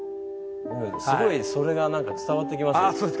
すごいそれが何か伝わってきます。